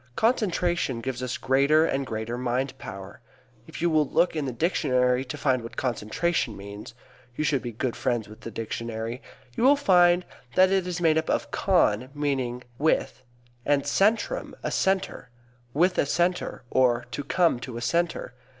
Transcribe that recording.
Concentration gives us greater and greater mind power. If you will look in the dictionary to find what concentration means (you should be good friends with the dictionary) you will find it is made up of con meaning with, and centrum, a center, "with a center," or "to come to a center."